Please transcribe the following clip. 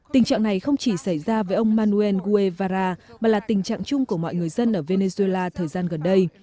tình trạng này không chỉ xảy ra với ông manuel guevara mà là tình trạng chung của mọi người dân ở venezuela thời gian gần đây